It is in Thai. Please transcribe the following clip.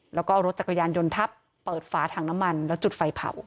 แล้วก็เอารถจักรยานยนต์ทับเปิดฝาถังน้ำมันแล้วจุดไฟเผา